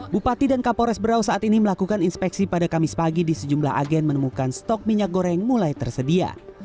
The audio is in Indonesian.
bupati dan kapolres berau saat ini melakukan inspeksi pada kamis pagi di sejumlah agen menemukan stok minyak goreng mulai tersedia